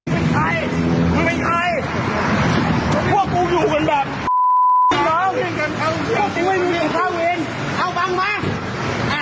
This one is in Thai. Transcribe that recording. คุณผู้อยากเก็บส่วนประมาณ๓กิโลกรัมขอบคุณนะครับ